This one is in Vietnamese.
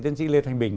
tiến sĩ lê thành bình